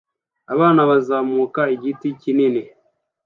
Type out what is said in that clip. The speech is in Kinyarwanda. Abana bazamuka igiti kinini